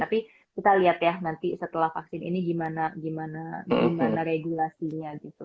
tapi kita lihat ya nanti setelah vaksin ini gimana gimana regulasinya gitu